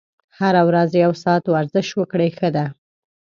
هره ورځ یو ساعت ورزش وکړئ ښه ده.